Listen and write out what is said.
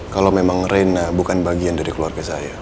kalau memang reina bukan bagian dari keluarga saya